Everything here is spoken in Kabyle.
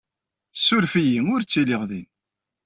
Ssuref-iyi, ur ttiliɣ din.